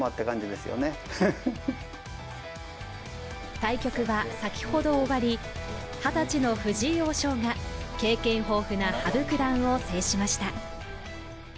対局は先ほど終わり、二十歳の藤井王将が経験豊富な羽生九段を制しました。